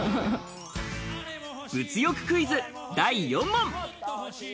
物欲クイズ第４問。